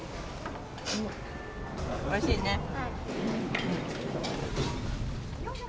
おいしいね。